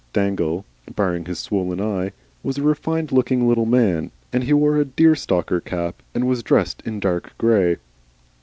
Dangle, barring his swollen eye, was a refined looking little man, and he wore a deerstalker cap and was dressed in dark grey.